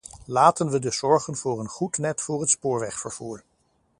Laten we dus zorgen voor een goed net voor het spoorwegvervoer.